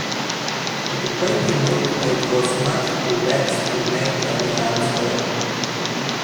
But the pretty milk-maid was much too vexed to make any answer.